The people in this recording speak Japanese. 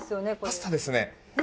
パスタですね。